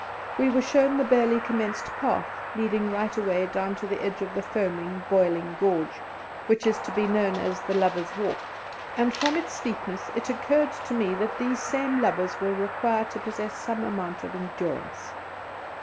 We were shown the barely commenced path leading right away down to the edge of the foaming, boiling gorge, which is to be known as "The Lovers' Walk," and from its steepness it occurred to me that these same lovers will require to possess some amount of endurance.